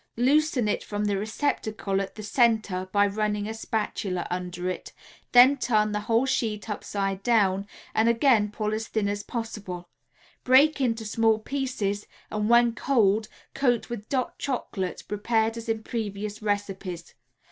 Loosen it from the receptacle at the center by running a spatula under it, then turn the whole sheet upside down, and again pull as thin as possible. Break into small pieces and when cold coat with "Dot" Chocolate prepared as in previous recipes.